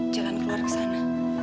jalan keluar ke sana